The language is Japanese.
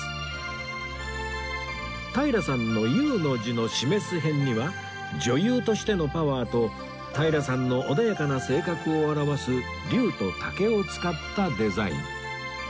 平さんの「祐」の字の示偏には女優としてのパワーと平さんの穏やかな性格を表す龍と竹を使ったデザイン